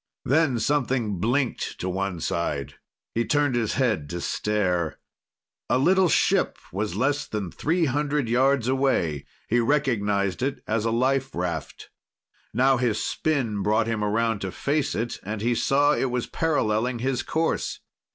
Then something blinked to one side. He turned his head to stare. A little ship was less than three hundred yards away. He recognized it as a life raft. Now his spin brought him around to face it, and he saw it was parallelling his course.